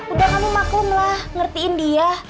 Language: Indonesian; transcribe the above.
udah kamu maklum lah ngertiin dia